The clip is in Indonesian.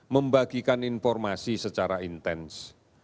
membagikan informasi secara intens